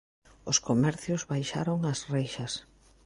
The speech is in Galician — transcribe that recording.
Os comercios baixaron as reixas.